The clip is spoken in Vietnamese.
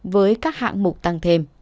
với các hạng mục tăng thêm